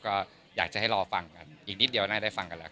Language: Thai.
ก็อยากจะให้รอฟังกันอีกนิดเดี๋ยวน่าจะได้ฟังกันครับ